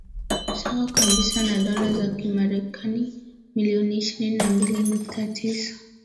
sawa kabisa na dola za kimarekani milioni ishirini na mbili nukta tisa